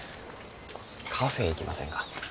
カフェー行きませんか？